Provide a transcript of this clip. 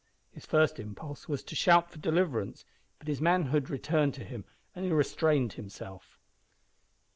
His first impulse was to shout for deliverance, but his manhood returned to him, and he restrained himself.